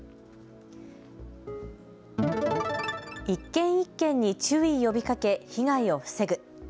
１軒１軒に注意呼びかけ被害を防ぐ。